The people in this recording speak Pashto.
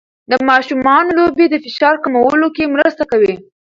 د ماشومانو لوبې د فشار کمولو کې مرسته کوي.